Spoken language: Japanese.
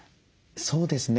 そうですね。